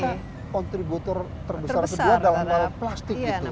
bahwa indonesia ternyata kontributor terbesar besar dalam hal plastik